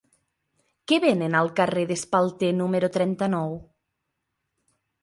Què venen al carrer d'Espalter número trenta-nou?